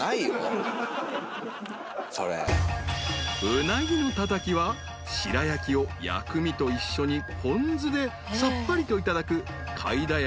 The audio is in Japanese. ［うなぎのたたきはしらやきを薬味と一緒にポン酢でさっぱりといただくかいだ